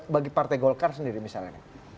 bagi partai golkar sendiri misalnya